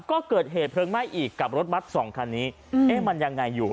ก็เกิดเหตุเพลิงไหม้อีกกับรถบัตรสองคันนี้เอ๊ะมันยังไงอยู่